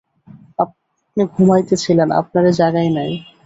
আপনে ঘুমাইতেছিলেন, আপনারে জাগাই নাই!